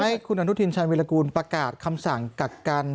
ให้คุณอนุทินชาญวิรากูลประกาศคำสั่งกักกัน